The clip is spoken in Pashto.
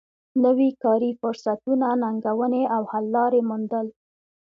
نوی کاري فرصتونه ننګونې او حل لارې موندل